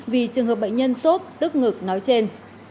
vì trường hợp bệnh nhân sốt tức ngực nói trên